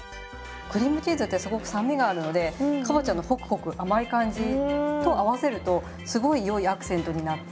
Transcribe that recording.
クリームチーズってすごく酸味があるのでかぼちゃのホクホク甘い感じと合わせるとすごいよいアクセントになって。